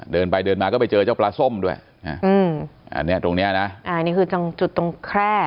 เดินไปเดินมาก็ไปเจอเจ้าปลาส้มด้วยอันนี้ตรงนี้นะอันนี้คือจุดตรงแคร่